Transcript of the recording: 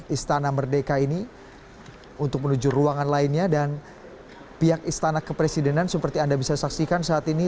istana merdeka ini untuk menuju ruangan lainnya dan pihak istana kepresidenan seperti anda bisa saksikan saat ini